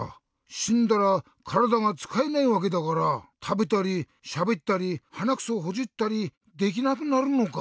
しんだらからだがつかえないわけだからたべたりしゃべったりはなくそをほじったりできなくなるのか。